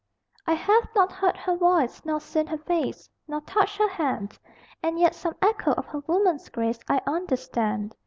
D.) I have not heard her voice, nor seen her face, Nor touched her hand; And yet some echo of her woman's grace I understand.